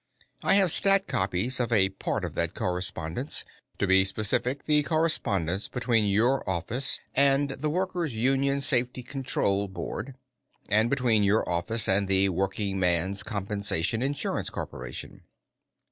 "I have 'stat copies of a part of that correspondence. To be specific, the correspondence between your office and the Workers' Union Safety Control Board, and between your office and the Workingman's Compensation Insurance Corporation."